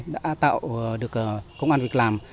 đã tạo được công an việc làm